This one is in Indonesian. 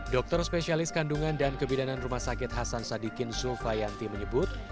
dokter spesialis kandungan dan kebidanan rumah sakit hasan sadikin zulfayanti menyebut